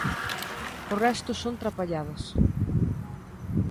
O resto son trapalladas.